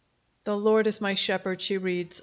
"The Lord is my shepherd," she reads.